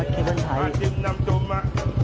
คืออะไรอ่ะ